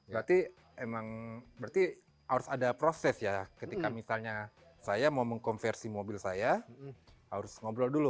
berarti emang berarti harus ada proses ya ketika misalnya saya mau mengkonversi mobil saya harus ngobrol dulu